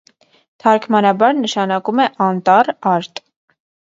Թարգմանաբար նշանակում է անտառ, արտ։